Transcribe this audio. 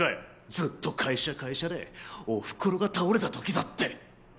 ずっと会社会社でお袋が倒れた時だって。